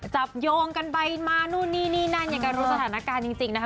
จับโยงกันไปมานู่นนี่นี่นั่นอย่างการรู้สถานการณ์จริงนะคะ